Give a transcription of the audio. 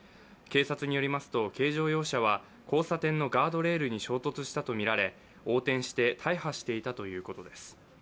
警察によりますと軽乗用車は交差点のガードレールに衝突したとみられ横転して大破していたということです。